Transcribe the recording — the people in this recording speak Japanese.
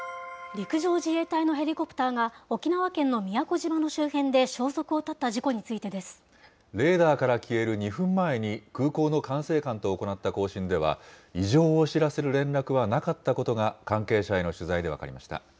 陸上自衛隊のヘリコプターが沖縄県の宮古島の周辺で消息を絶レーダーから消える２分前に、空港の管制官と行った交信では、異常を知らせる連絡はなかったことが関係者への取材で分かりました。